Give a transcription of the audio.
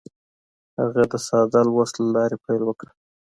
هغه د ساده لوست له لارې پیل وکړ.